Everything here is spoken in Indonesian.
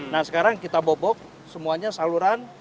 nah sekarang kita bobok semuanya saluran